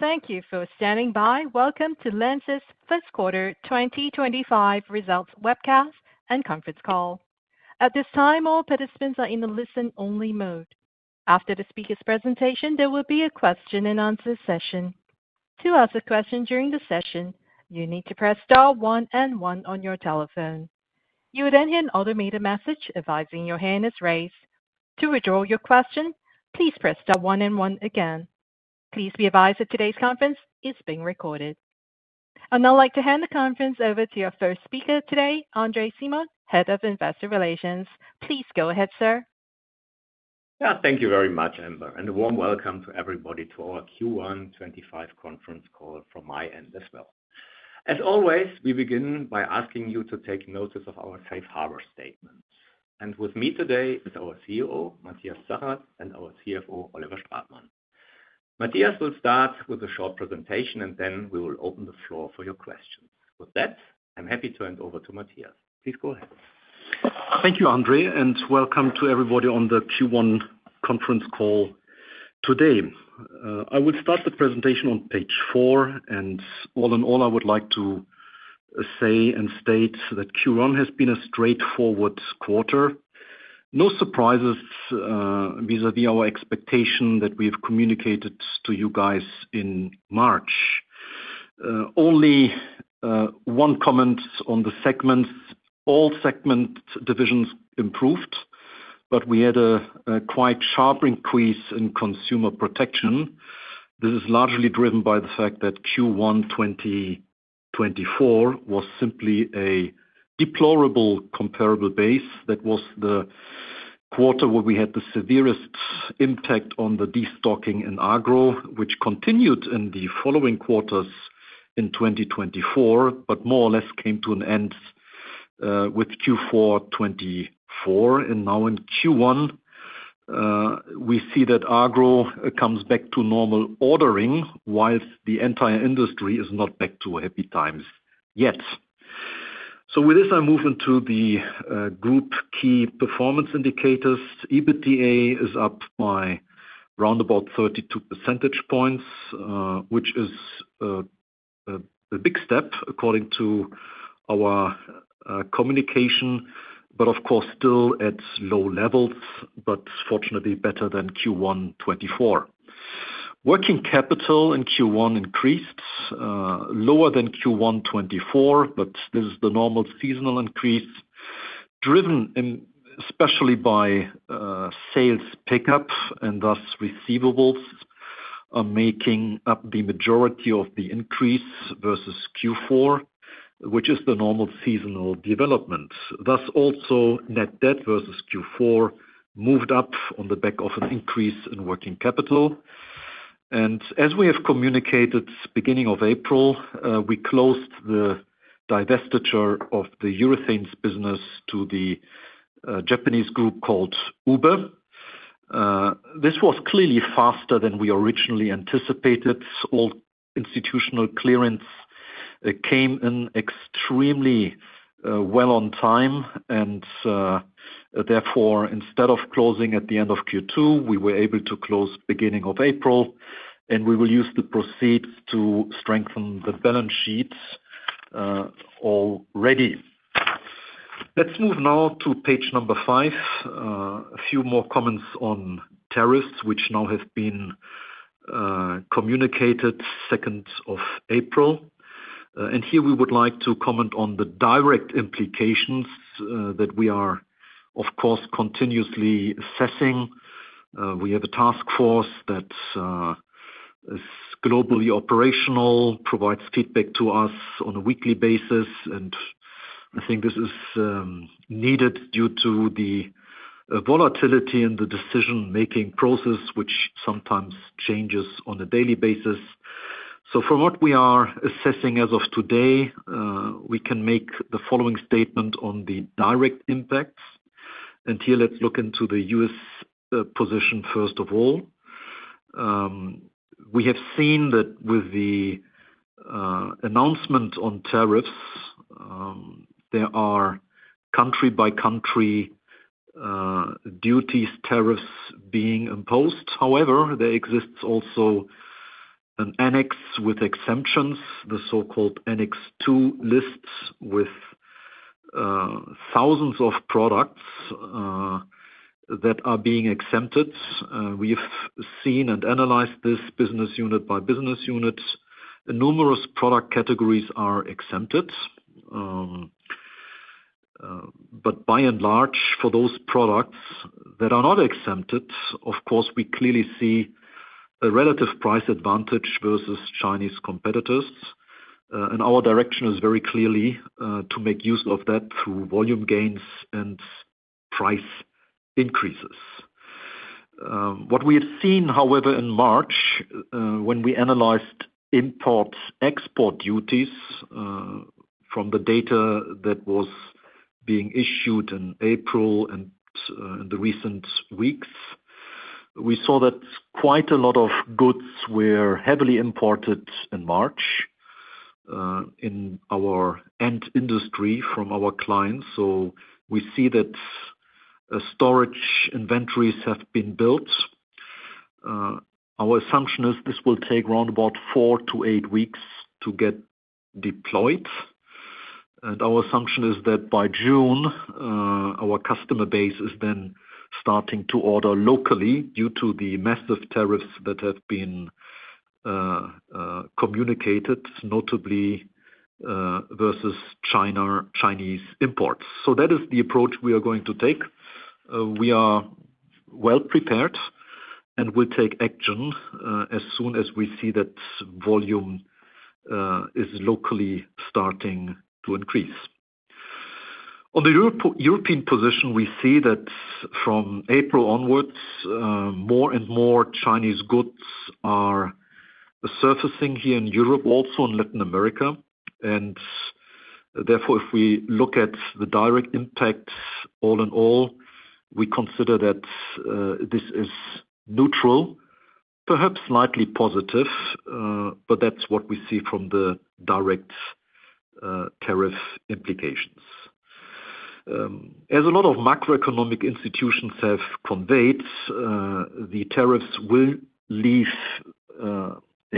Thank you for standing by. Welcome to LANXESS Fiscal Quarter 2025 Results Webcast and Conference Call. At this time, all participants are in the listen-only mode. After the speaker's presentation, there will be a question-and-answer session. To ask a question during the session, you need to press star one and one on your telephone. You will then hear an automated message advising your hand is raised. To withdraw your question, please press star one and one again. Please be advised that today's conference is being recorded. I would like to hand the conference over to our first speaker today, Andre Simon, Head of Investor Relations. Please go ahead, sir. Yeah, thank you very much, Amber, and a warm welcome to everybody to our Q1 2025 conference call from my end as well. As always, we begin by asking you to take notice of our safe harbor statements. With me today is our CEO, Matthias Zachert, and our CFO, Oliver Stratmann. Matthias will start with a short presentation, and then we will open the floor for your questions. With that, I'm happy to hand over to Matthias. Please go ahead. Thank you, Andre, and welcome to everybody on the Q1 conference call today. I will start the presentation on page four, and all in all, I would like to say and state that Q1 has been a straightforward quarter. No surprises vis-à-vis our expectation that we have communicated to you guys in March. Only one comment on the segments: all segment divisions improved, but we had a quite sharp increase in Consumer Protection. This is largely driven by the fact that Q1 2024 was simply a deplorable comparable base. That was the quarter where we had the severest impact on the destocking in agro, which continued in the following quarters in 2024, but more or less came to an end with Q4 2024. Now in Q1, we see that agro comes back to normal ordering, while the entire industry is not back to happy times yet. With this, I move into the group key performance indicators. EBITDA is up by roundabout 32 percentage points, which is a big step according to our communication, but of course still at low levels, but fortunately better than Q1 2024. Working capital in Q1 increased lower than Q1 2024, but this is the normal seasonal increase, driven especially by sales pickup and thus receivables making up the majority of the increase versus Q4, which is the normal seasonal development. Thus also, net debt versus Q4 moved up on the back of an increase in working capital. As we have communicated beginning of April, we closed the divestiture of the urethane business to the Japanese group called UBE. This was clearly faster than we originally anticipated. All institutional clearance came in extremely well on time, and therefore, instead of closing at the end of Q2, we were able to close beginning of April, and we will use the proceeds to strengthen the balance sheets already. Let's move now to page number five, a few more comments on tariffs, which now have been communicated second of April. Here we would like to comment on the direct implications that we are, of course, continuously assessing. We have a task force that is globally operational, provides feedback to us on a weekly basis, and I think this is needed due to the volatility in the decision-making process, which sometimes changes on a daily basis. From what we are assessing as of today, we can make the following statement on the direct impacts. Here, let's look into the US position first of all. We have seen that with the announcement on tariffs, there are country-by-country duties, tariffs being imposed. However, there exists also an annex with exemptions, the so-called Annex II lists with thousands of products that are being exempted. We have seen and analyzed this business unit by business unit. Numerous product categories are exempted, but by and large, for those products that are not exempted, of course, we clearly see a relative price advantage versus Chinese competitors. Our direction is very clearly to make use of that through volume gains and price increases. What we have seen, however, in March, when we analyzed import-export duties from the data that was being issued in April and in the recent weeks, we saw that quite a lot of goods were heavily imported in March in our end industry from our clients. We see that storage inventories have been built. Our assumption is this will take around about four to eight weeks to get deployed. Our assumption is that by June, our customer base is then starting to order locally due to the massive tariffs that have been communicated, notably versus Chinese imports. That is the approach we are going to take. We are well prepared and will take action as soon as we see that volume is locally starting to increase. On the European position, we see that from April onwards, more and more Chinese goods are surfacing here in Europe, also in Latin America. Therefore, if we look at the direct impacts, all in all, we consider that this is neutral, perhaps slightly positive, but that is what we see from the direct tariff implications. As a lot of macroeconomic institutions have conveyed, the tariffs will leave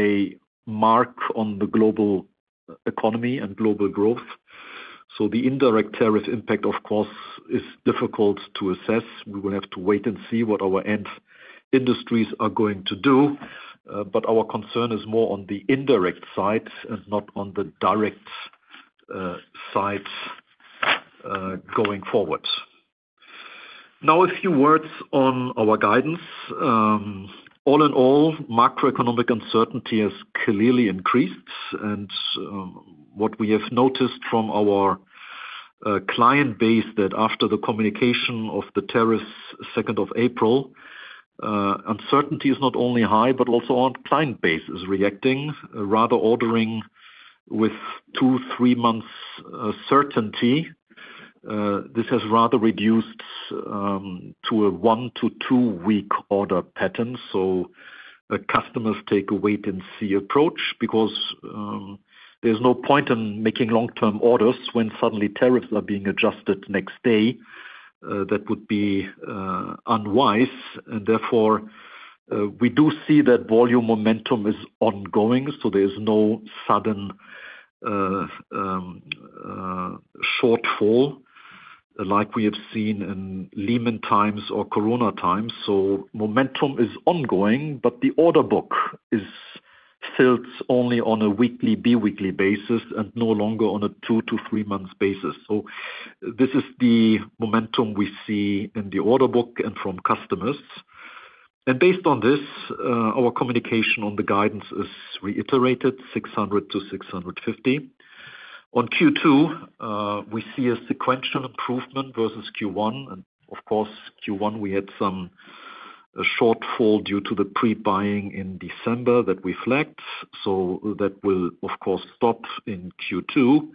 a mark on the global economy and global growth. The indirect tariff impact, of course, is difficult to assess. We will have to wait and see what our end industries are going to do, but our concern is more on the indirect side and not on the direct side going forward. Now, a few words on our guidance. All in all, macroeconomic uncertainty has clearly increased, and what we have noticed from our client base is that after the communication of the tariffs second of April, uncertainty is not only high, but also our client base is reacting, rather ordering with two- to three-month certainty. This has rather reduced to a one- to two-week order pattern. Customers take a wait-and-see approach because there is no point in making long-term orders when suddenly tariffs are being adjusted next day. That would be unwise. Therefore, we do see that volume momentum is ongoing. There is no sudden shortfall like we have seen in Lehman times or Corona times. Momentum is ongoing, but the order book is filled only on a weekly, biweekly basis and no longer on a two to three-month basis. This is the momentum we see in the order book and from customers. Based on this, our communication on the guidance is reiterated, 600 million-650 million. On Q2, we see a sequential improvement versus Q1. Of course, Q1, we had some shortfall due to the pre-buying in December that we flagged. That will, of course, stop in Q2.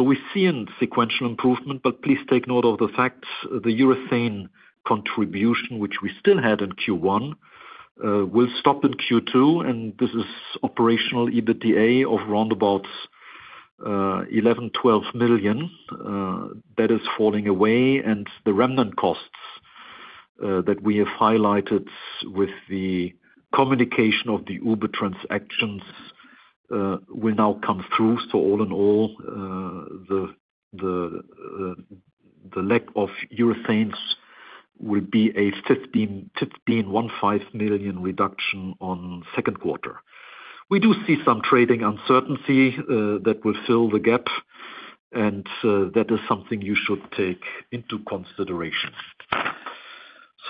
We see a sequential improvement, but please take note of the fact the urethane contribution, which we still had in Q1, will stop in Q2. This is operational EBITDA of roundabout 11 million-12 million. That is falling away. The remnant costs that we have highlighted with the communication of the UBE transactions will now come through. All in all, the lack of urethanes will be a 15 million reduction on second quarter. We do see some trading uncertainty that will fill the gap, and that is something you should take into consideration.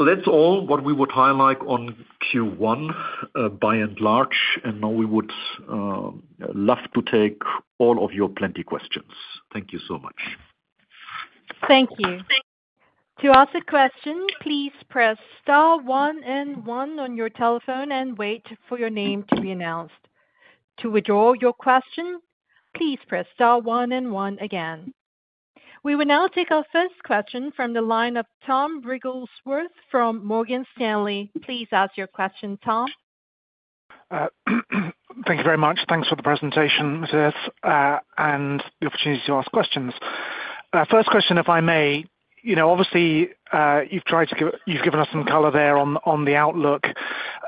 That is all what we would highlight on Q1 by and large. We would love to take all of your plenty questions. Thank you so much. Thank you. To ask a question, please press star one and one on your telephone and wait for your name to be announced. To withdraw your question, please press star one and one again. We will now take our first question from the line of Tom Rigglesworth from Morgan Stanley. Please ask your question, Tom. Thank you very much. Thanks for the presentation, Matthias, and the opportunity to ask questions. First question, if I may, obviously, you've given us some color there on the outlook.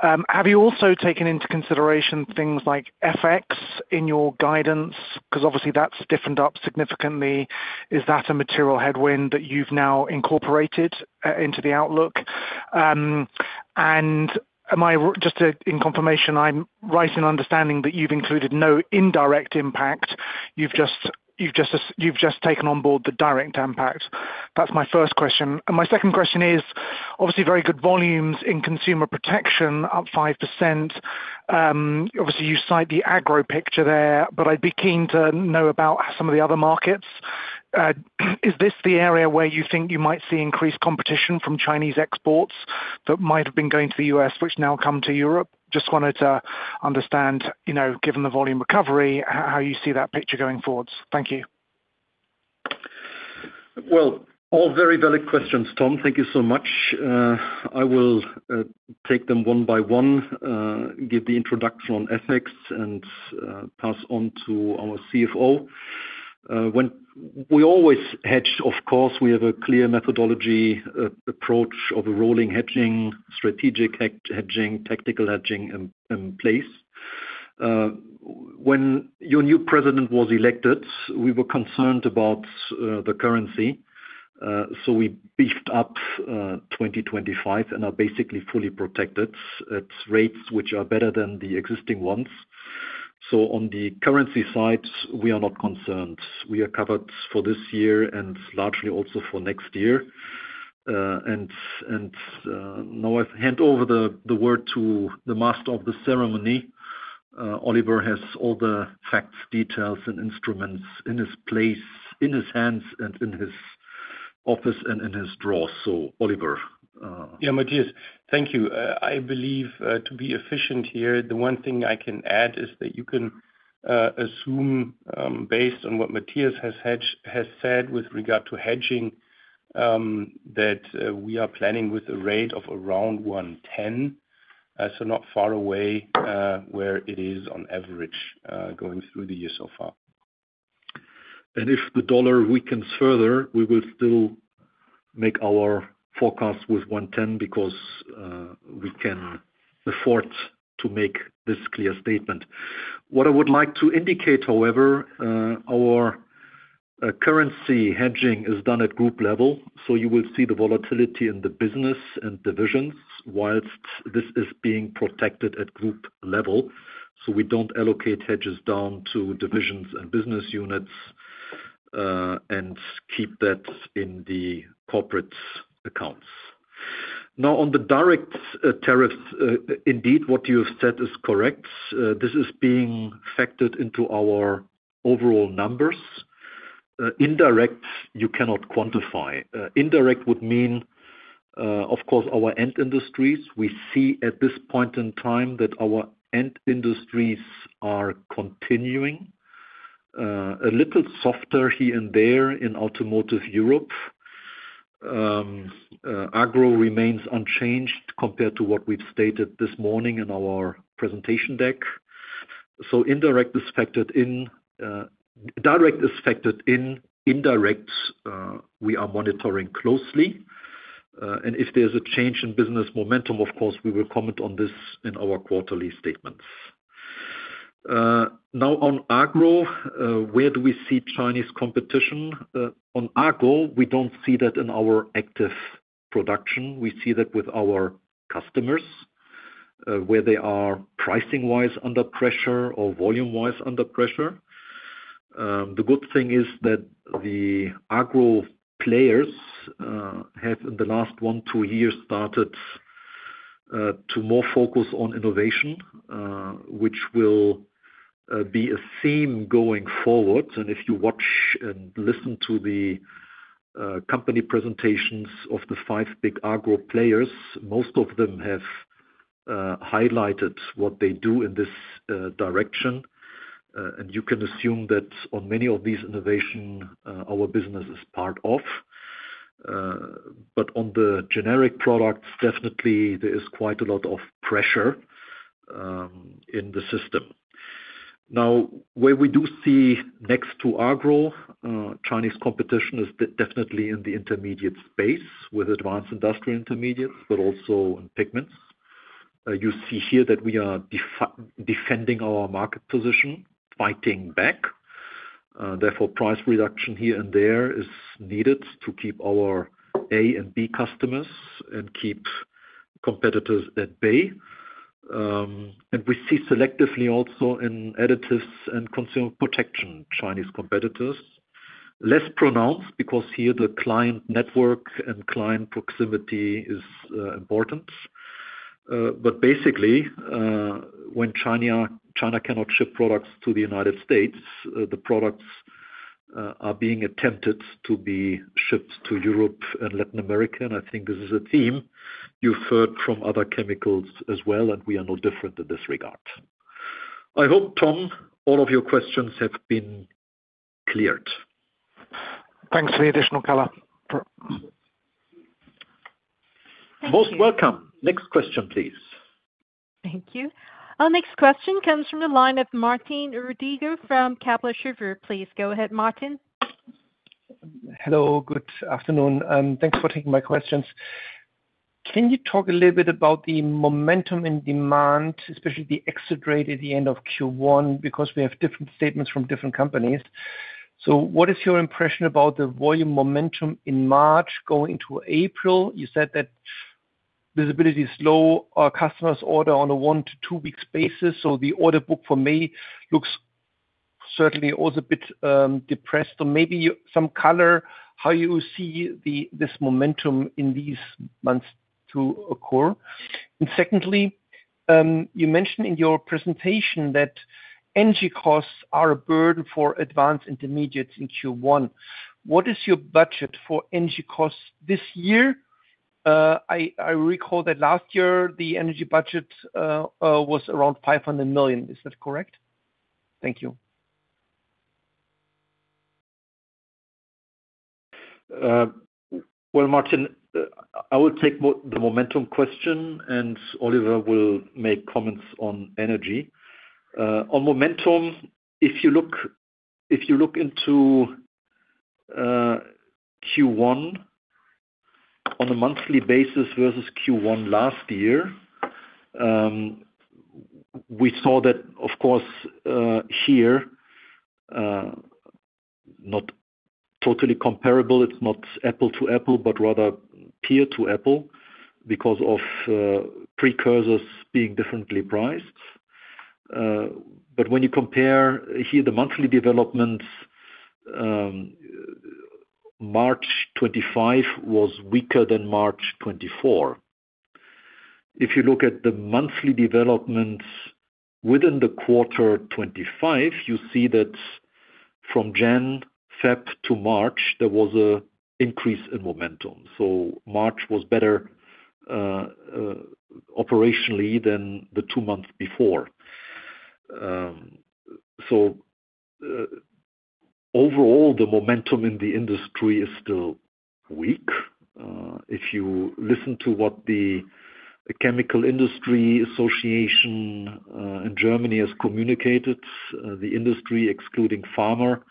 Have you also taken into consideration things like FX in your guidance? Because obviously, that's stiffened up significantly. Is that a material headwind that you've now incorporated into the outlook? In confirmation, I'm right in understanding that you've included no indirect impact. You've just taken on board the direct impact. That's my first question. My second question is, obviously, very good volumes in Consumer Protection, up 5%. Obviously, you cite the agro picture there, but I'd be keen to know about some of the other markets. Is this the area where you think you might see increased competition from Chinese exports that might have been going to the U.S., which now come to Europe? Just wanted to understand, given the volume recovery, how you see that picture going forward. Thank you. All very valid questions, Tom. Thank you so much. I will take them one by one, give the introduction on ethics, and pass on to our CFO. We always hedge, of course. We have a clear methodology approach of a rolling hedging, strategic hedging, technical hedging in place. When your new president was elected, we were concerned about the currency. We beefed up 2025 and are basically fully protected at rates which are better than the existing ones. On the currency side, we are not concerned. We are covered for this year and largely also for next year. I hand over the word to the master of the ceremony. Oliver has all the facts, details, and instruments in his place, in his hands, and in his office and in his drawers. Oliver. Yeah, Matthias, thank you. I believe to be efficient here, the one thing I can add is that you can assume based on what Matthias has said with regard to hedging that we are planning with a rate of around 1.10, so not far away where it is on average going through the year so far. If the dollar weakens further, we will still make our forecast with 110 because we can afford to make this clear statement. What I would like to indicate, however, our currency hedging is done at group level. You will see the volatility in the business and divisions whilst this is being protected at group level. We do not allocate hedges down to divisions and business units and keep that in the corporate accounts. Now, on the direct tariffs, indeed, what you have said is correct. This is being factored into our overall numbers. Indirect, you cannot quantify. Indirect would mean, of course, our end industries. We see at this point in time that our end industries are continuing a little softer here and there in automotive Europe. Agro remains unchanged compared to what we have stated this morning in our presentation deck. Indirect is factored in. Direct is factored in. Indirect, we are monitoring closely. If there is a change in business momentum, of course, we will comment on this in our quarterly statements. Now, on agro, where do we see Chinese competition? On agro, we do not see that in our active production. We see that with our customers where they are pricing-wise under pressure or volume-wise under pressure. The good thing is that the agro players have in the last one to two years started to more focus on innovation, which will be a theme going forward. If you watch and listen to the company presentations of the five big agro players, most of them have highlighted what they do in this direction. You can assume that on many of these innovations, our business is part of it. On the generic products, definitely, there is quite a lot of pressure in the system. Now, where we do see next to agro Chinese competition is definitely in the intermediate space with advanced industrial intermediates, but also in pigments. You see here that we are defending our market position, fighting back. Therefore, price reduction here and there is needed to keep our A and B customers and keep competitors at bay. We see selectively also in additives and consumer protection, Chinese competitors less pronounced because here the client network and client proximity is important. Basically, when China cannot ship products to the United States, the products are being attempted to be shipped to Europe and Latin America. I think this is a theme you've heard from other chemicals as well, and we are no different in this regard. I hope, Tom, all of your questions have been cleared. Thanks for the additional color. Thank you. Most welcome. Next question, please. Thank you. Our next question comes from the line of Martin Rodriguez from Kepler Cheuvreux. Please go ahead, Martin. Hello. Good afternoon. Thanks for taking my questions. Can you talk a little bit about the momentum in demand, especially the exit rate at the end of Q1, because we have different statements from different companies? What is your impression about the volume momentum in March going into April? You said that visibility is low. Our customers order on a one to two-week basis. The order book for May looks certainly also a bit depressed. Maybe some color, how you see this momentum in these months to occur. Secondly, you mentioned in your presentation that energy costs are a burden for advanced intermediates in Q1. What is your budget for energy costs this year? I recall that last year the energy budget was around 500 million. Is that correct? Thank you. Martin, I will take the momentum question, and Oliver will make comments on energy. On momentum, if you look into Q1 on a monthly basis versus Q1 last year, we saw that, of course, here, not totally comparable. It's not Apple to Apple, but rather peer to Apple because of precursors being differently priced. When you compare here, the monthly developments, March 2025 was weaker than March 2024. If you look at the monthly developments within the quarter 2025, you see that from January and February to March, there was an increase in momentum. March was better operationally than the two months before. Overall, the momentum in the industry is still weak. If you listen to what the Chemical Industry Association in Germany has communicated, the industry, excluding pharma,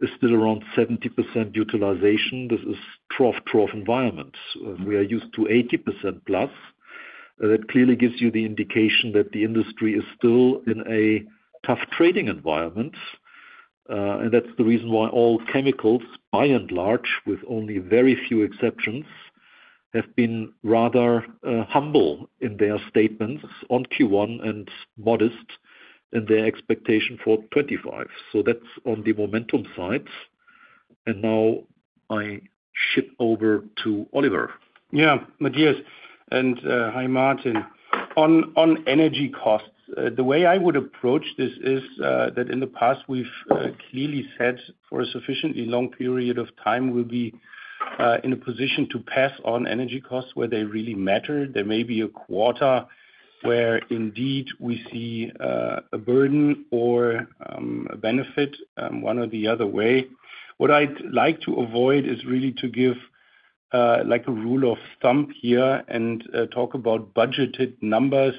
is still around 70% utilization. This is a trough, trough environment. We are used to 80% plus. That clearly gives you the indication that the industry is still in a tough trading environment. That is the reason why all chemicals, by and large, with only very few exceptions, have been rather humble in their statements on Q1 and modest in their expectation for 2025. That is on the momentum side. Now I shift over to Oliver. Yeah, Matthias. Hi, Martin. On energy costs, the way I would approach this is that in the past, we have clearly said for a sufficiently long period of time, we will be in a position to pass on energy costs where they really matter. There may be a quarter where indeed we see a burden or a benefit one or the other way. What I would like to avoid is really to give a rule of thumb here and talk about budgeted numbers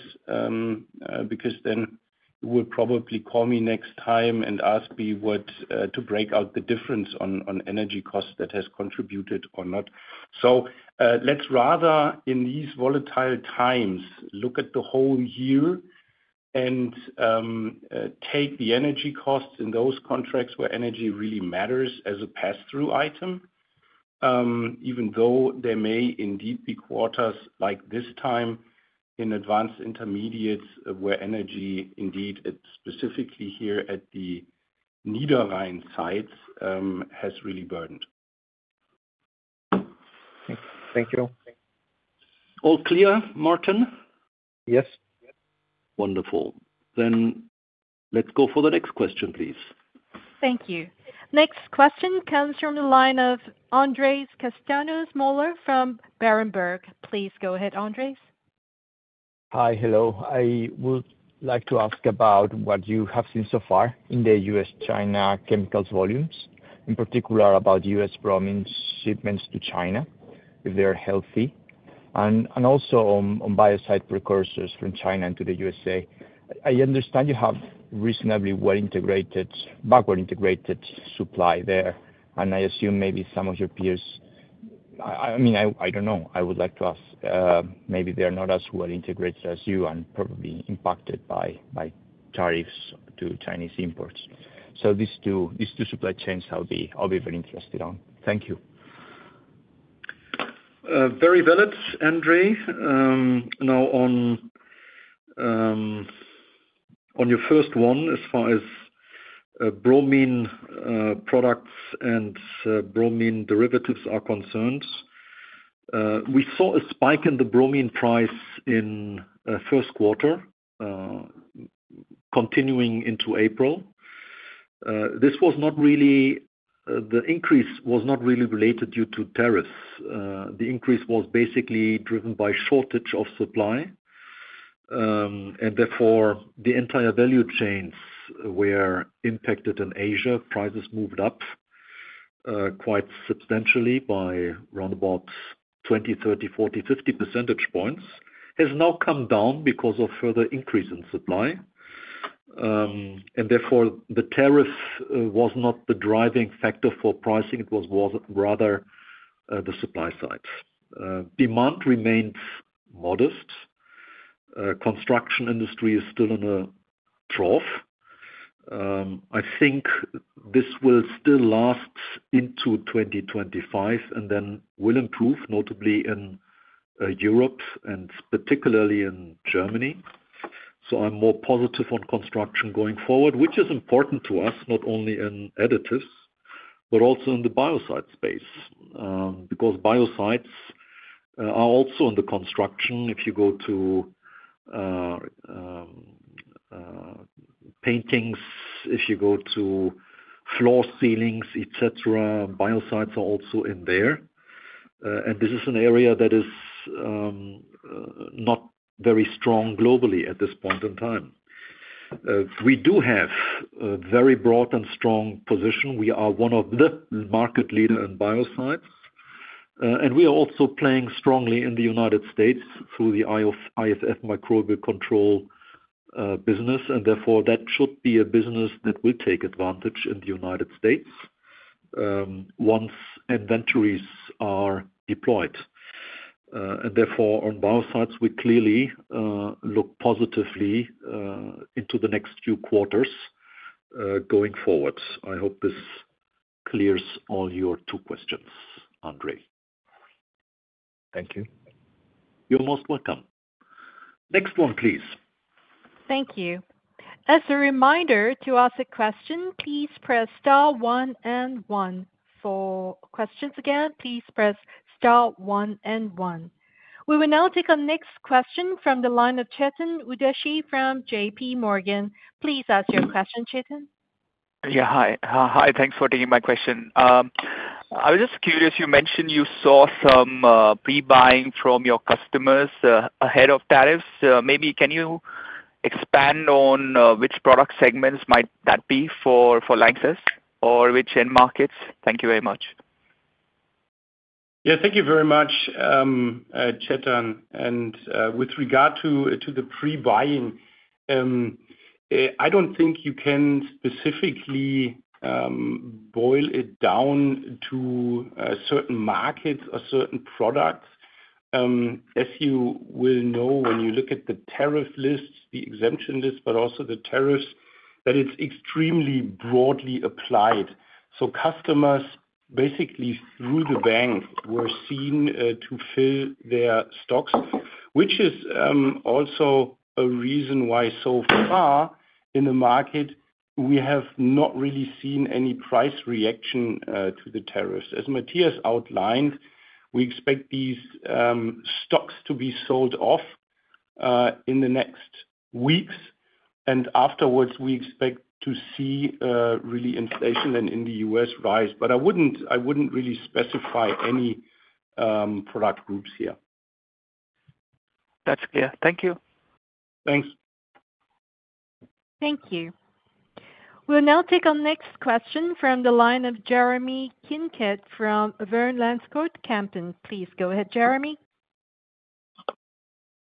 because then you will probably call me next time and ask me to break out the difference on energy costs that has contributed or not. Let's rather, in these volatile times, look at the whole year and take the energy costs in those contracts where energy really matters as a pass-through item, even though there may indeed be quarters like this time in Advanced Intermediates where energy, indeed, specifically here at the Niederrhein sites, has really burdened. Thank you. All clear, Martin? Yes. Wonderful. Let's go for the next question, please. Thank you. Next question comes from the line of Andres Castanos-Mohler from Berenberg. Please go ahead, Andres. Hi, hello. I would like to ask about what you have seen so far in the U.S.-China chemicals volumes, in particular about U.S.-broadband shipments to China, if they're healthy, and also on biocide precursors from China into the US. I understand you have reasonably well-integrated, backward-integrated supply there. And I assume maybe some of your peers—I mean, I don't know. I would like to ask. Maybe they're not as well-integrated as you and probably impacted by tariffs to Chinese imports. So these two supply chains I'll be very interested on. Thank you. Very valid, Andre. Now, on your first one, as far as bromine products and bromine derivatives are concerned, we saw a spike in the bromine price in first quarter, continuing into April. This was not really—the increase was not really related due to tariffs. The increase was basically driven by shortage of supply. Therefore, the entire value chains were impacted in Asia. Prices moved up quite substantially by around about 20, 30, 40, 50 percentage points. Has now come down because of further increase in supply. Therefore, the tariff was not the driving factor for pricing. It was rather the supply side. Demand remains modest. Construction industry is still in a trough. I think this will still last into 2025 and then will improve, notably in Europe and particularly in Germany. I'm more positive on construction going forward, which is important to us, not only in additives, but also in the biocide space because biocides are also in the construction. If you go to paintings, if you go to floor ceilings, etc., biocides are also in there. This is an area that is not very strong globally at this point in time. We do have a very broad and strong position. We are one of the market leaders in biocides. We are also playing strongly in the United States through the IFF microbial control business. Therefore, that should be a business that will take advantage in the United States once inventories are deployed. Therefore, on biocides, we clearly look positively into the next few quarters going forward. I hope this clears all your two questions, Andre. Thank you. You're most welcome. Next one, please. Thank you. As a reminder to ask a question, please press star one and one. For questions again, please press star one and one. We will now take our next question from the line of Chetan Udashi from JP Morgan. Please ask your question, Chetan. Yeah, hi. Hi, thanks for taking my question. I was just curious. You mentioned you saw some pre-buying from your customers ahead of tariffs. Maybe can you expand on which product segments might that be for LANXESS or which end markets? Thank you very much. Yeah, thank you very much, Chetan. With regard to the pre-buying, I do not think you can specifically boil it down to certain markets or certain products. As you will know, when you look at the tariff lists, the exemption lists, but also the tariffs, it is extremely broadly applied. Customers basically through the bank were seen to fill their stocks, which is also a reason why so far in the market we have not really seen any price reaction to the tariffs. As Matthias outlined, we expect these stocks to be sold off in the next weeks. Afterwards, we expect to see really inflation and in the US rise. I would not really specify any product groups here. That's clear. Thank you. Thanks. Thank you. We'll now take our next question from the line of Jeremy Kincaid from Verne Lanskert, Camden. Please go ahead, Jeremy.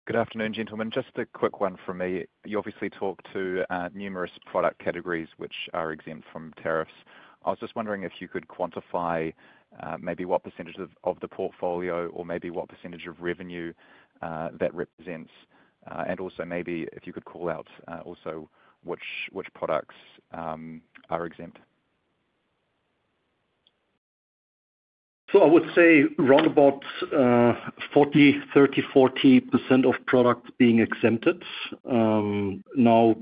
Good afternoon, gentlemen. Just a quick one from me. You obviously talk to numerous product categories which are exempt from tariffs. I was just wondering if you could quantify maybe what % of the portfolio or maybe what % of revenue that represents. Also maybe if you could call out also which products are exempt. I would say around about 30-40% of products being exempted. Now,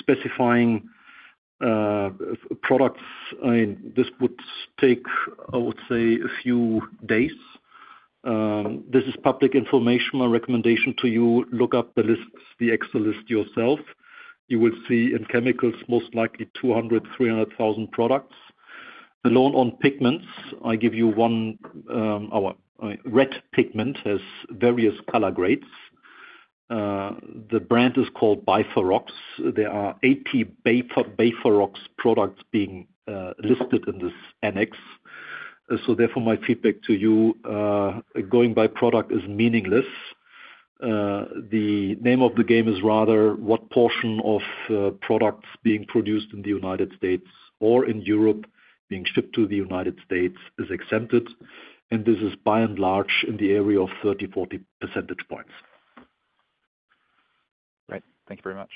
specifying products, this would take, I would say, a few days. This is public information. My recommendation to you, look up the lists, the Excel list yourself. You will see in chemicals, most likely 200,000-300,000 products. Alone on pigments, I give you one hour. Red pigment has various color grades. The brand is called Bayferrox. There are 80 Bayferrox products being listed in this annex. Therefore, my feedback to you, going by product is meaningless. The name of the game is rather what portion of products being produced in the United States or in Europe being shipped to the United States is exempted. This is by and large in the area of 30-40 percentage points. Great. Thank you very much.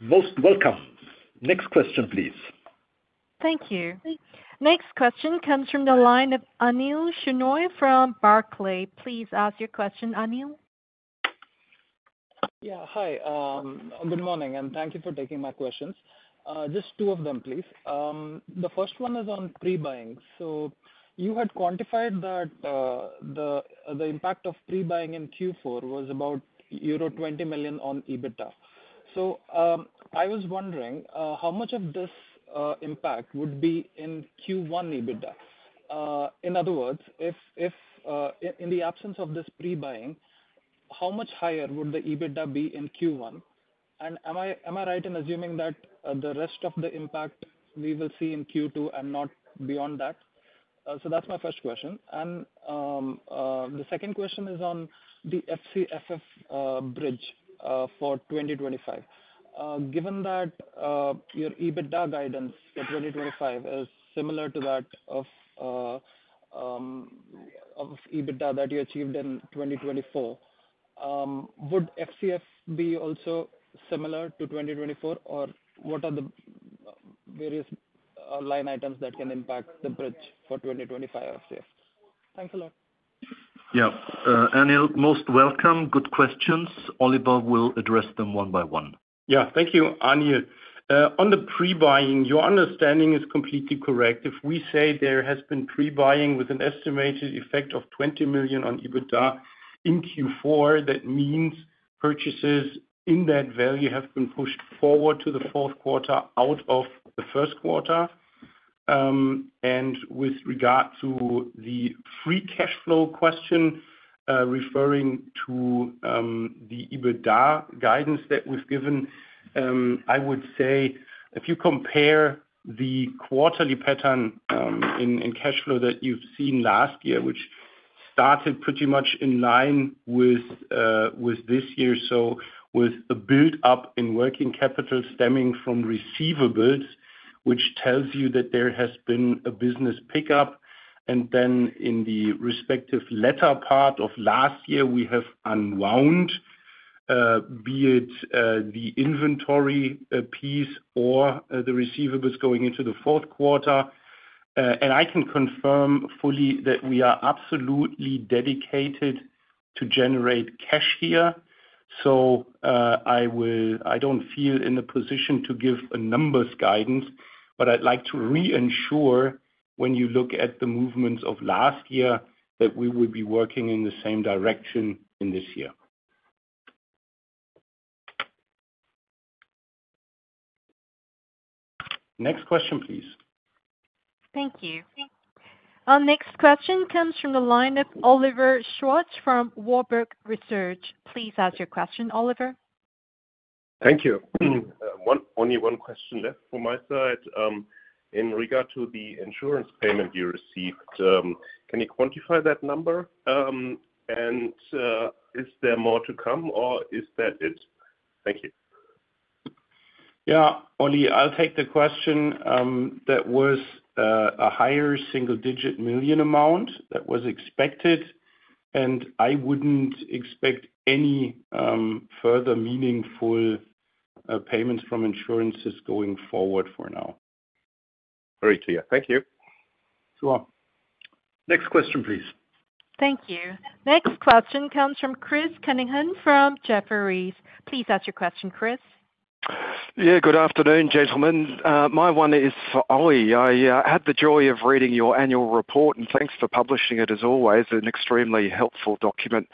Most welcome. Next question, please. Thank you. Next question comes from the line of Anil Shunoy from Barclays. Please ask your question, Anil. Yeah, hi. Good morning. Thank you for taking my questions. Just two of them, please. The first one is on pre-buying. You had quantified that the impact of pre-buying in Q4 was about euro 20 million on EBITDA. I was wondering how much of this impact would be in Q1 EBITDA. In other words, in the absence of this pre-buying, how much higher would the EBITDA be in Q1? Am I right in assuming that the rest of the impact we will see in Q2 and not beyond that? That is my first question. The second question is on the FCFF bridge for 2025. Given that your EBITDA guidance for 2025 is similar to that of EBITDA that you achieved in 2024, would FCF be also similar to 2024? What are the various line items that can impact the bridge for 2025 FCF? Thanks a lot. Yeah. Anil, most welcome. Good questions. Oliver will address them one by one. Yeah. Thank you, Anil. On the pre-buying, your understanding is completely correct. If we say there has been pre-buying with an estimated effect of 20 million on EBITDA in Q4, that means purchases in that value have been pushed forward to the fourth quarter out of the first quarter. With regard to the free cash flow question, referring to the EBITDA guidance that we've given, I would say if you compare the quarterly pattern in cash flow that you've seen last year, which started pretty much in line with this year, with a build-up in working capital stemming from receivables, which tells you that there has been a business pickup. In the respective latter part of last year, we have unwound, be it the inventory piece or the receivables going into the fourth quarter. I can confirm fully that we are absolutely dedicated to generate cash here. I do not feel in a position to give a numbers guidance, but I would like to re-ensure when you look at the movements of last year that we will be working in the same direction in this year. Next question, please. Thank you. Our next question comes from the line of Oliver Schwartz from Warburg Research. Please ask your question, Oliver. Thank you. Only one question left from my side. In regard to the insurance payment you received, can you quantify that number? Is there more to come, or is that it? Thank you. Yeah. Olli, I'll take the question. That was a higher single-digit million amount that was expected. I wouldn't expect any further meaningful payments from insurances going forward for now. Very clear. Thank you. Sure. Next question, please. Thank you. Next question comes from Chris Cunningham from Jefferies. Please ask your question, Chris. Yeah. Good afternoon, gentlemen. My one is for Olli. I had the joy of reading your annual report, and thanks for publishing it, as always. An extremely helpful document.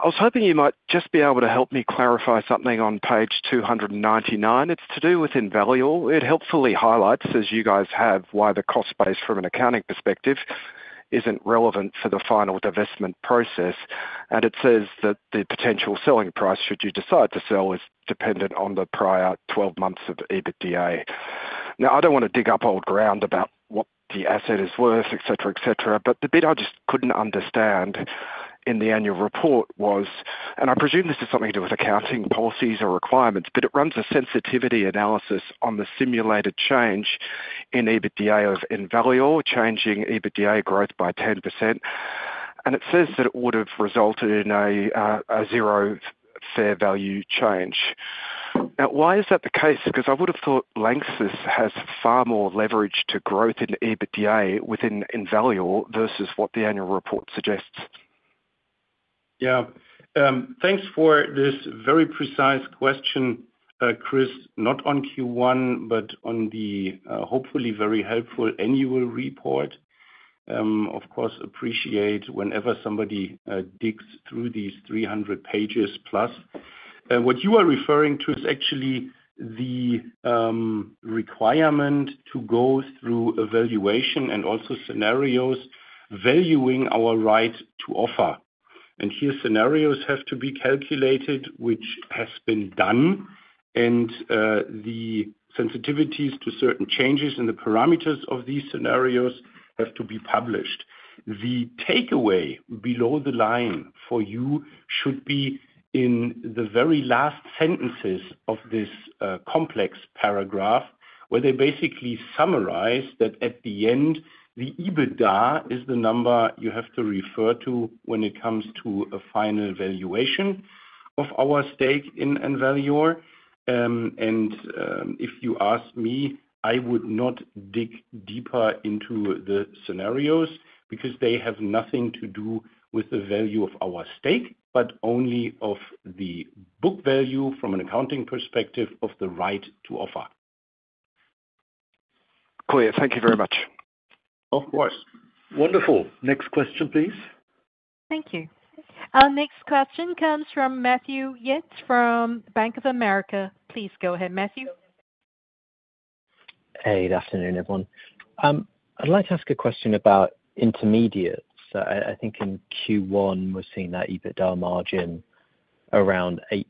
I was hoping you might just be able to help me clarify something on page 299. It's to do with invaluable. It helpfully highlights, as you guys have, why the cost base from an accounting perspective isn't relevant for the final divestment process. And it says that the potential selling price, should you decide to sell, is dependent on the prior 12 months of EBITDA. Now, I don't want to dig up old ground about what the asset is worth, etc., etc. The bit I just could not understand in the annual report was, and I presume this has something to do with accounting policies or requirements, but it runs a sensitivity analysis on the simulated change in EBITDA of invaluable, changing EBITDA growth by 10%. It says that it would have resulted in a zero fair value change. Now, why is that the case? I would have thought LANXESS has far more leverage to growth in EBITDA within invaluable versus what the annual report suggests. Yeah. Thanks for this very precise question, Chris, not on Q1, but on the hopefully very helpful annual report. Of course, appreciate whenever somebody digs through these 300 pages plus. What you are referring to is actually the requirement to go through evaluation and also scenarios valuing our right to offer. Here, scenarios have to be calculated, which has been done. The sensitivities to certain changes in the parameters of these scenarios have to be published. The takeaway below the line for you should be in the very last sentences of this complex paragraph where they basically summarize that at the end, the EBITDA is the number you have to refer to when it comes to a final valuation of our stake in Aerial. If you ask me, I would not dig deeper into the scenarios because they have nothing to do with the value of our stake, but only of the book value from an accounting perspective of the right to offer. Cool. Yeah. Thank you very much. Of course. Wonderful. Next question, please. Thank you. Our next question comes from Matthew Yates from Bank of America. Please go ahead, Matthew. Hey, good afternoon, everyone. I'd like to ask a question about intermediates. I think in Q1, we're seeing that EBITDA margin around 8%,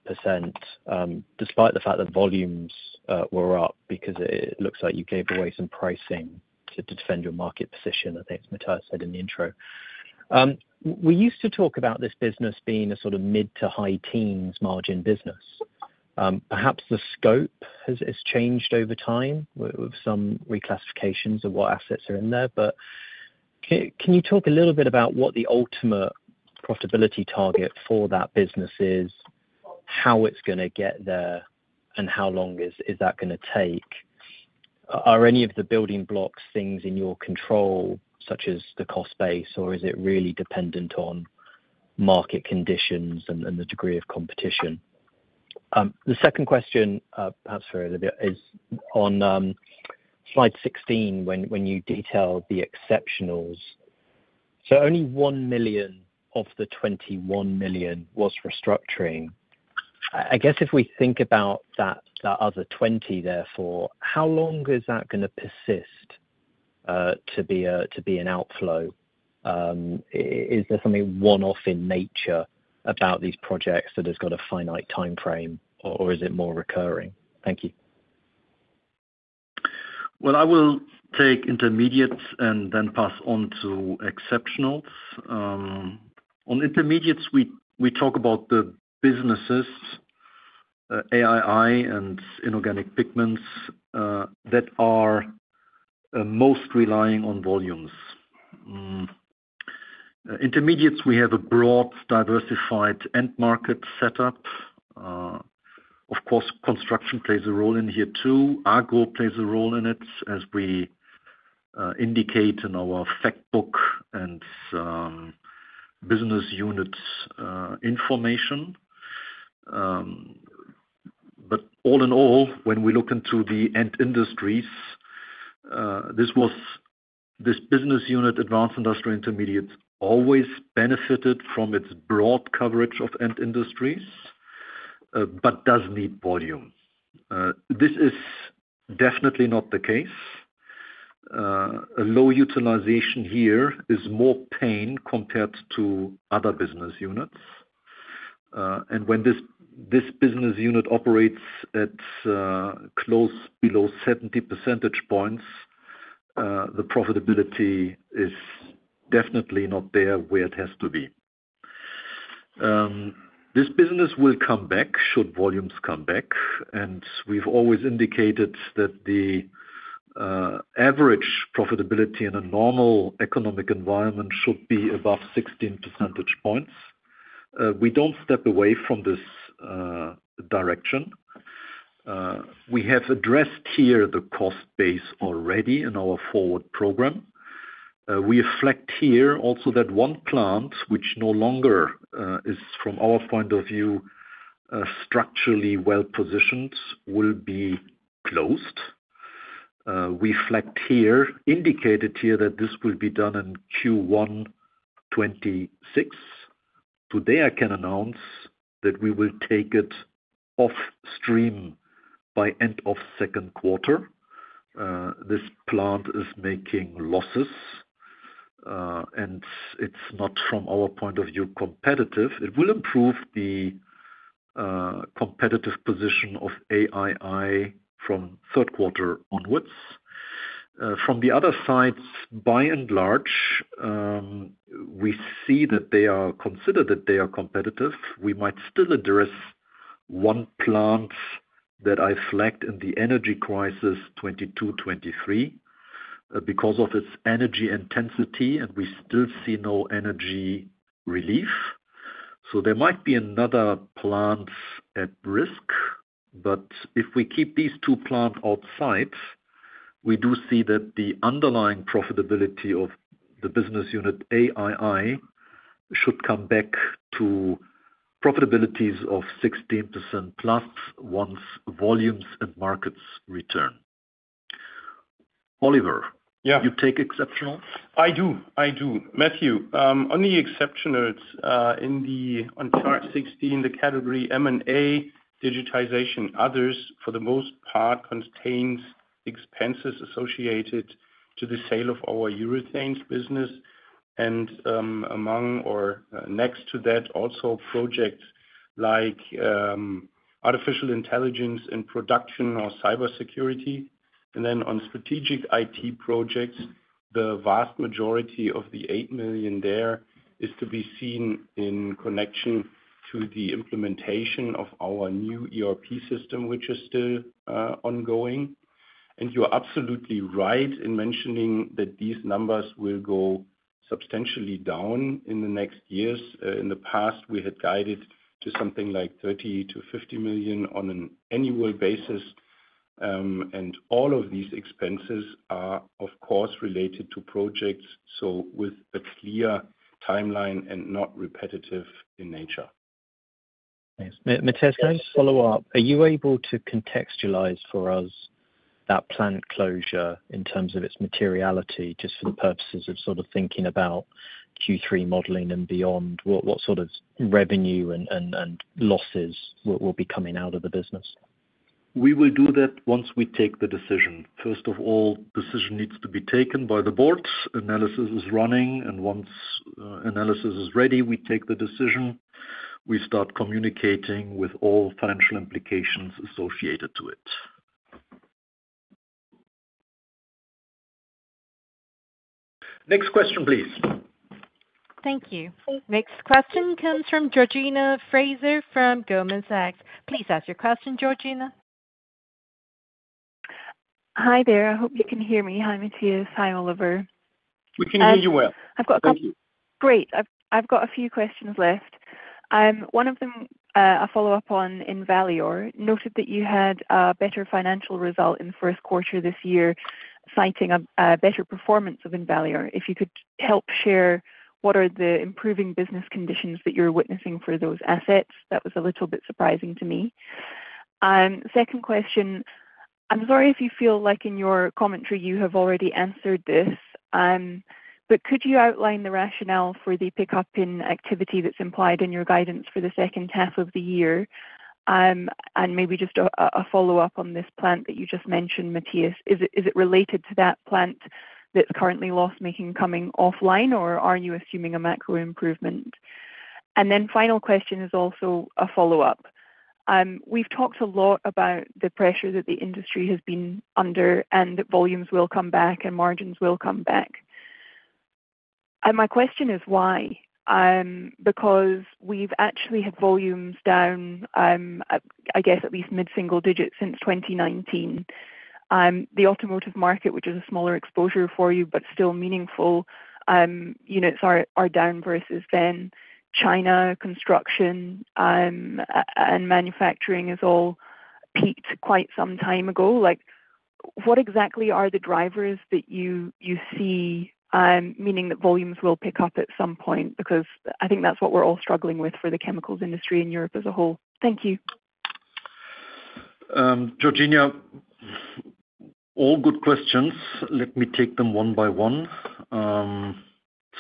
despite the fact that volumes were up because it looks like you gave away some pricing to defend your market position. I think it's Matthias said in the intro. We used to talk about this business being a sort of mid to high teens margin business. Perhaps the scope has changed over time with some reclassifications of what assets are in there. Can you talk a little bit about what the ultimate profitability target for that business is, how it's going to get there, and how long is that going to take? Are any of the building blocks things in your control, such as the cost base, or is it really dependent on market conditions and the degree of competition? The second question, perhaps for Oliver, is on slide 16 when you detail the exceptionals. Only $1 million of the $21 million was restructuring. I guess if we think about that other $20 million, therefore, how long is that going to persist to be an outflow? Is there something one-off in nature about these projects that has got a finite time frame, or is it more recurring? Thank you. I will take intermediates and then pass on to exceptionals. On intermediates, we talk about the businesses, AII and inorganic pigments, that are most relying on volumes. Intermediates, we have a broad diversified end market setup. Of course, construction plays a role in here too. Agro plays a role in it, as we indicate in our factbook and business unit information. All in all, when we look into the end industries, this business unit, Advanced Industrial Intermediates, always benefited from its broad coverage of end industries, but does need volume. This is definitely not the case. Low utilization here is more pain compared to other business units. When this business unit operates at close below 70 percentage points, the profitability is definitely not there where it has to be. This business will come back should volumes come back. We have always indicated that the average profitability in a normal economic environment should be above 16 percentage points. We do not step away from this direction. We have addressed here the cost base already in our forward program. We reflect here also that one plant, which no longer is, from our point of view, structurally well-positioned, will be closed. We indicated here that this will be done in Q1 2026. Today, I can announce that we will take it off stream by end of second quarter. This plant is making losses, and it is not, from our point of view, competitive. It will improve the competitive position of AII from third quarter onwards. From the other side, by and large, we see that they are considered that they are competitive. We might still address one plant that I flagged in the energy crisis 2022, 2023 because of its energy intensity, and we still see no energy relief. There might be another plant at risk. If we keep these two plants outside, we do see that the underlying profitability of the business unit AII should come back to profitabilities of 16% plus once volumes and markets return. Oliver, you take exceptionals? I do. I do. Matthew, only exceptionals in the 16, the category M&A digitization. Others, for the most part, contain expenses associated to the sale of our urethane business. Among or next to that, also projects like artificial intelligence in production or cybersecurity. On strategic IT projects, the vast majority of the 8 million there is to be seen in connection to the implementation of our new ERP system, which is still ongoing. You are absolutely right in mentioning that these numbers will go substantially down in the next years. In the past, we had guided to something like 30 million-50 million on an annual basis. All of these expenses are, of course, related to projects, with a clear timeline and not repetitive in nature. Matthias, can I just follow up? Are you able to contextualize for us that plant closure in terms of its materiality just for the purposes of sort of thinking about Q3 modeling and beyond? What sort of revenue and losses will be coming out of the business? We will do that once we take the decision. First of all, the decision needs to be taken by the board. Analysis is running. Once analysis is ready, we take the decision. We start communicating with all financial implications associated to it. Next question, please. Thank you. Next question comes from Georgina Fraser from Goldman Sachs. Please ask your question, Georgina. Hi there. I hope you can hear me. Hi, Matthias. Hi, Oliver. We can hear you well. Thank you. Great. I've got a few questions left. One of them, a follow-up on Aerial, noted that you had a better financial result in the first quarter this year, citing a better performance of Aerial. If you could help share, what are the improving business conditions that you're witnessing for those assets? That was a little bit surprising to me. Second question, I'm sorry if you feel like in your commentary you have already answered this, but could you outline the rationale for the pickup in activity that's implied in your guidance for the second half of the year? Maybe just a follow-up on this plant that you just mentioned, Matthias. Is it related to that plant that's currently loss-making coming offline, or are you assuming a macro improvement? Final question is also a follow-up. We've talked a lot about the pressure that the industry has been under and that volumes will come back and margins will come back. My question is why? Because we've actually had volumes down, I guess, at least mid-single digits since 2019. The automotive market, which is a smaller exposure for you but still meaningful, units are down versus then. China construction and manufacturing has all peaked quite some time ago. What exactly are the drivers that you see, meaning that volumes will pick up at some point? I think that's what we're all struggling with for the chemicals industry in Europe as a whole. Thank you. Georgina, all good questions. Let me take them one by one.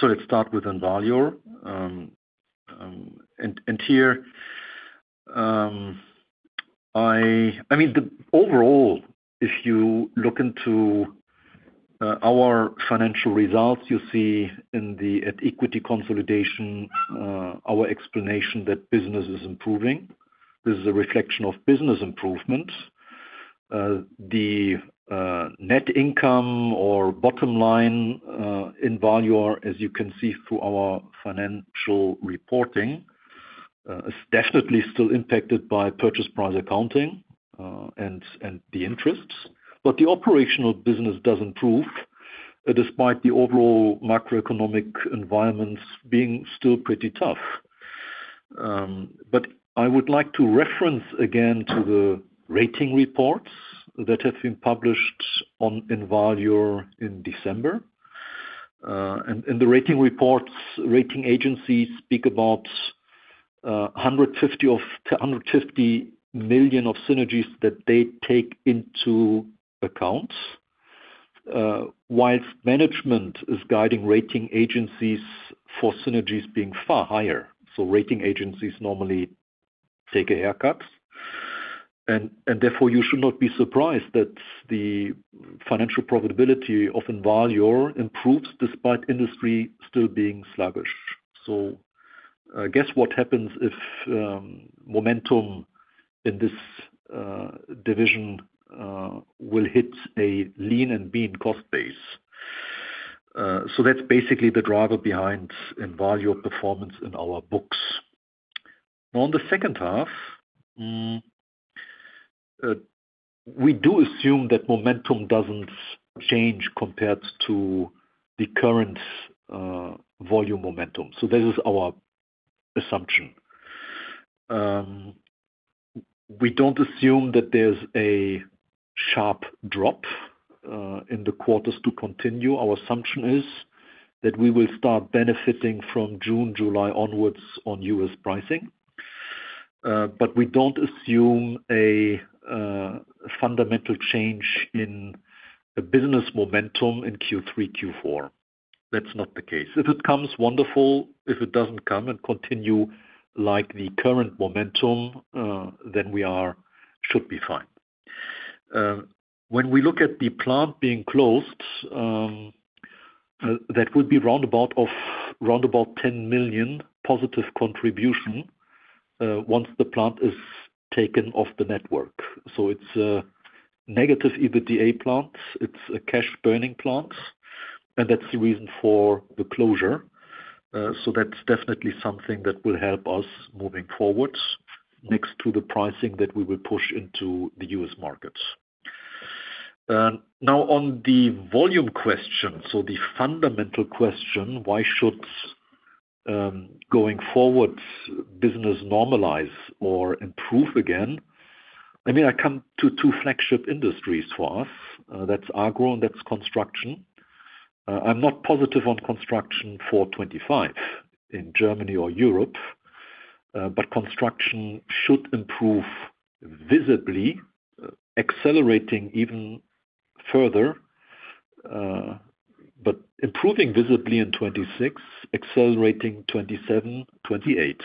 Let's start with Aerial. Here, I mean, overall, if you look into our financial results, you see in the equity consolidation our explanation that business is improving. This is a reflection of business improvement. The net income or bottom line at Aerial, as you can see through our financial reporting, is definitely still impacted by purchase price accounting and the interests. The operational business does improve despite the overall macroeconomic environments being still pretty tough. I would like to reference again the rating reports that have been published on Aerial in December. In the rating reports, rating agencies speak about $150 million of synergies that they take into account, while management is guiding rating agencies for synergies being far higher. Rating agencies normally take a haircut. Therefore, you should not be surprised that the financial profitability of Invaluable improves despite industry still being sluggish. Guess what happens if momentum in this division will hit a lean and mean cost base? That is basically the driver behind Invaluable performance in our books. On the second half, we do assume that momentum does not change compared to the current volume momentum. This is our assumption. We do not assume that there is a sharp drop in the quarters to continue. Our assumption is that we will start benefiting from June, July onwards on US pricing. We do not assume a fundamental change in business momentum in Q3, Q4. That is not the case. If it comes, wonderful. If it does not come and continues like the current momentum, then we should be fine. When we look at the plant being closed, that would be around $10 million positive contribution once the plant is taken off the network. It is a negative EBITDA plant. It is a cash-burning plant. That is the reason for the closure. That is definitely something that will help us moving forward next to the pricing that we will push into the US markets. Now, on the volume question, the fundamental question is, why should going forward business normalize or improve again? I mean, I come to two flagship industries for us. That is agro and that is construction. I am not positive on construction for 2025 in Germany or Europe, but construction should improve visibly, accelerating even further, but improving visibly in 2026, accelerating 2027, 2028.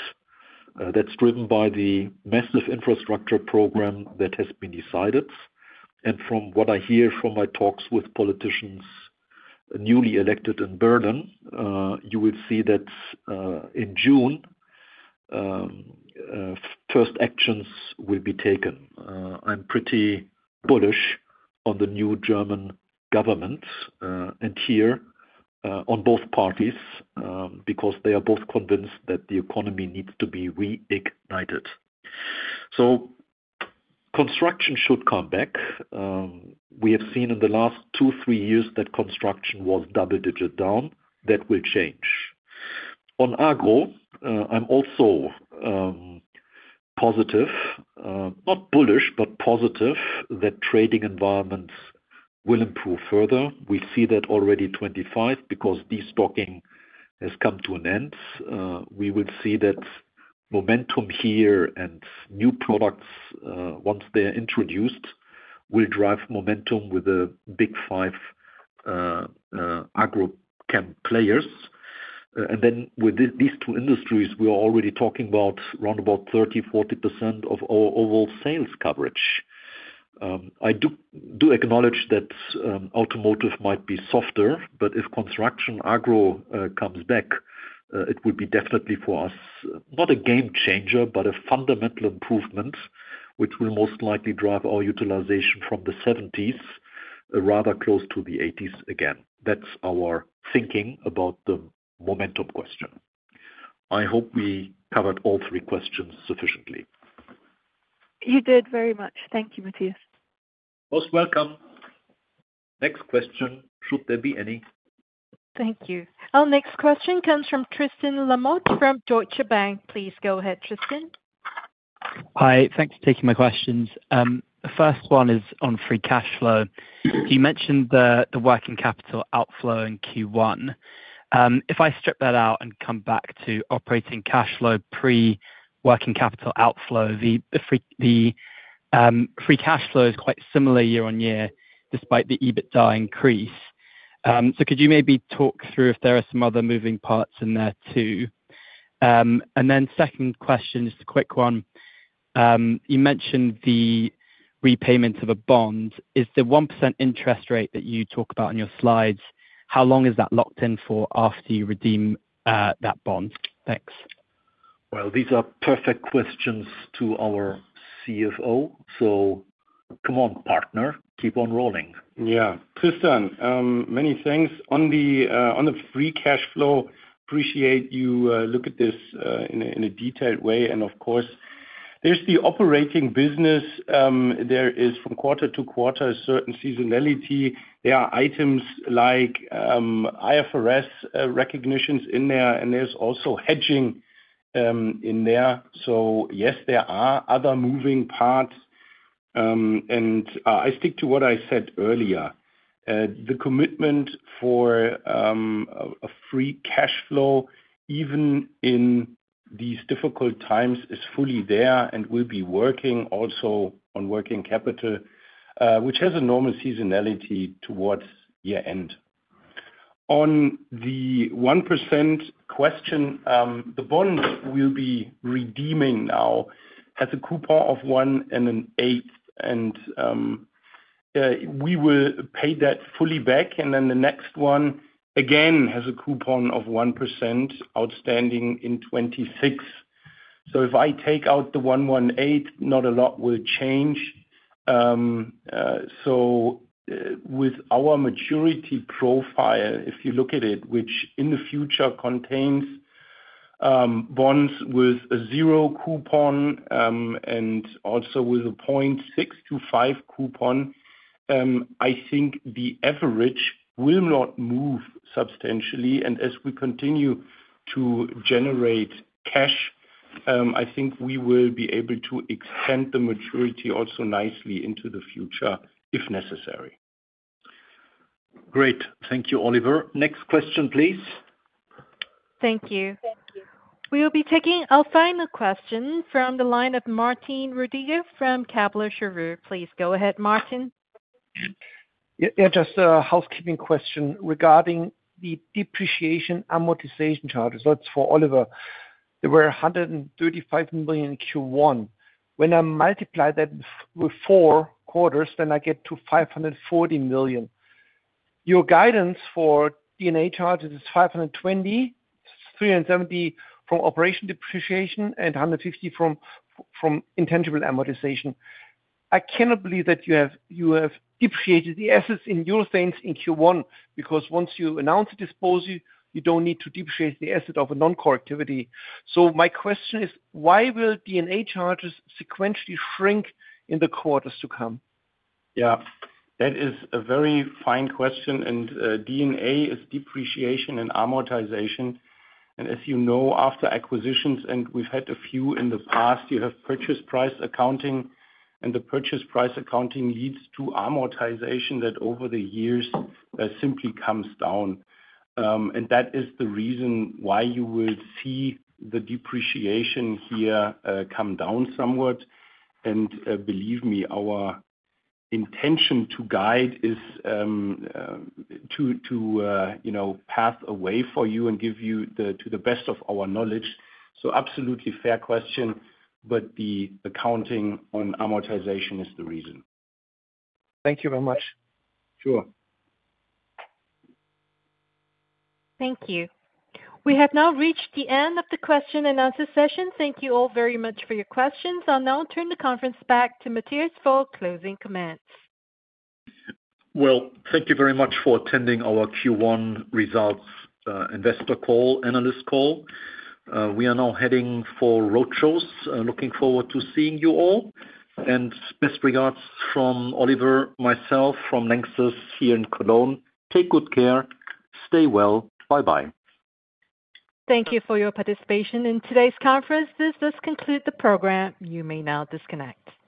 That is driven by the massive infrastructure program that has been decided. From what I hear from my talks with politicians newly elected in Berlin, you will see that in June, first actions will be taken. I'm pretty bullish on the new German government and here on both parties because they are both convinced that the economy needs to be reignited. Construction should come back. We have seen in the last two, three years that construction was double-digit down. That will change. On agro, I'm also positive, not bullish, but positive that trading environments will improve further. We see that already 2025 because destocking has come to an end. We will see that momentum here and new products, once they are introduced, will drive momentum with the big five agro chem players. With these two industries, we are already talking about round about 30-40% of our overall sales coverage. I do acknowledge that automotive might be softer, but if construction agro comes back, it would be definitely for us not a game changer, but a fundamental improvement, which will most likely drive our utilization from the 70s rather close to the 80s again. That is our thinking about the momentum question. I hope we covered all three questions sufficiently. You did very much. Thank you, Matthias. Most welcome. Next question. Should there be any? Thank you. Our next question comes from Tristan Lamotte from Deutsche Bank. Please go ahead, Tristan. Hi. Thanks for taking my questions. The first one is on free cash flow. You mentioned the working capital outflow in Q1. If I strip that out and come back to operating cash flow pre-working capital outflow, the free cash flow is quite similar year on year despite the EBITDA increase. Could you maybe talk through if there are some other moving parts in there too? The second question is a quick one. You mentioned the repayment of a bond. Is the 1% interest rate that you talk about in your slides, how long is that locked in for after you redeem that bond? Thanks. These are perfect questions to our CFO. Come on, partner. Keep on rolling. Yeah. Tristan, many thanks. On the free cash flow, appreciate you look at this in a detailed way. Of course, there is the operating business. There is from quarter to quarter a certain seasonality. There are items like IFRS recognitions in there, and there is also hedging in there. Yes, there are other moving parts. I stick to what I said earlier. The commitment for a free cash flow, even in these difficult times, is fully there and will be working also on working capital, which has a normal seasonality towards year-end. On the 1% question, the bond we will be redeeming now has a coupon of 1 and an eighth. We will pay that fully back. The next one again has a coupon of 1% outstanding in 2026. If I take out the 1.125, not a lot will change. With our maturity profile, if you look at it, which in the future contains bonds with a zero coupon and also with a 0.625 coupon, I think the average will not move substantially. As we continue to generate cash, I think we will be able to extend the maturity also nicely into the future if necessary. Great. Thank you, Oliver. Next question, please. Thank you. We will be taking our final question from the line of Martin Rodriguez from Kepler Cheuvreux. Please go ahead, Martin. Yeah, just a housekeeping question regarding the depreciation amortization charges. That's for Oliver. There were 135 million in Q1. When I multiply that with four quarters, then I get to 540 million. Your guidance for D&A charges is 520 million, 370 million from operation depreciation, and 150 million from intangible amortization. I cannot believe that you have depreciated the assets in euro cents in Q1 because once you announce a disposal, you do not need to depreciate the asset of a non-core activity. So my question is, why will D&A charges sequentially shrink in the quarters to come? Yeah. That is a very fine question. DNA is depreciation and amortization. As you know, after acquisitions, and we've had a few in the past, you have purchase price accounting. The purchase price accounting leads to amortization that over the years simply comes down. That is the reason why you will see the depreciation here come down somewhat. Believe me, our intention to guide is to path away for you and give you to the best of our knowledge. Absolutely fair question. The accounting on amortization is the reason. Thank you very much. Sure. Thank you. We have now reached the end of the question and answer session. Thank you all very much for your questions. I'll now turn the conference back to Matthias for closing comments. Thank you very much for attending our Q1 results investor call, analyst call. We are now heading for roadshows. Looking forward to seeing you all. Best regards from Oliver, myself, from LANXESS here in Cologne. Take good care. Stay well. Bye-bye. Thank you for your participation in today's conference. This does conclude the program. You may now disconnect.